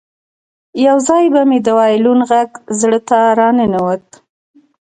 یو ځای به مې د وایلون غږ زړه ته راننوت